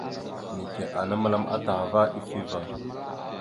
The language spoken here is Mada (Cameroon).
Neke ana məlam ataha ava ifevá.